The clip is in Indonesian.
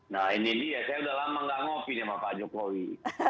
nah ini dia saya sudah lama tidak ngopi dengan pak jokowi